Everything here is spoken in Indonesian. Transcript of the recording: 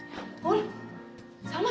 ya ampun salma